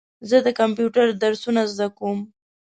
زه د کمپیوټر درسونه زده کوم.